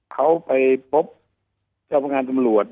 เขาไปพบเจ้าพระงานสมรวจ